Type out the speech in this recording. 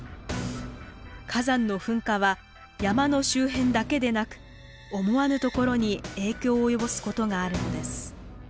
火山の噴火は山の周辺だけでなく思わぬところに影響を及ぼすことがあるのです。